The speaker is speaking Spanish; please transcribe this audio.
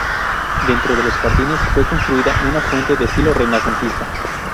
Dentro de los jardines fue construida una fuente de estilo renacentista.